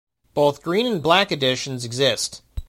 Both green and black editions exist.